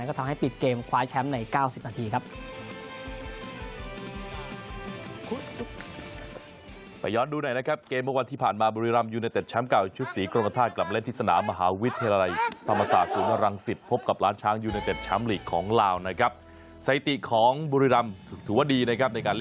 ก็ทำให้ปิดเกมคว้าแชมป์ใน๙๐นาทีครับ